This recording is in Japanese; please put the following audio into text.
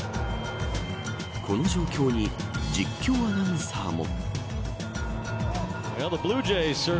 この状況に実況アナウンサーも。